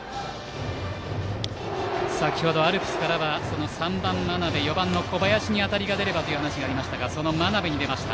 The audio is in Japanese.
先程、アルプスからは３番の真鍋、４番の小林に当たりがあればという話がありましたがその真鍋に出ました。